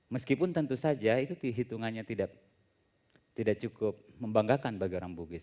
meskipun tentu saja itu hitungannya tidak cukup membanggakan bagi orang bugis